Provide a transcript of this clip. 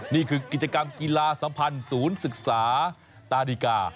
นี่คือกิจกรรมกีฬาสัมพันธ์ศูนย์ศึกษาตาดิกา